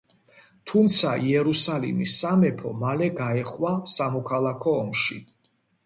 თუმცა, იერუსალიმის სამეფო მალე გაეხვა სამოქალაქო ომში.